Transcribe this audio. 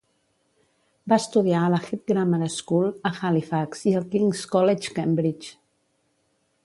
Va estudiar a la Heath Grammar School a Halifax i al King's College Cambridge.